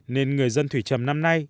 nên người dân thủy trầm năm nay